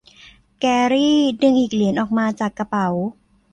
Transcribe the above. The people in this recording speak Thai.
แกรี่ ดึงอีกเหรียญออกมาจากกระเป๋า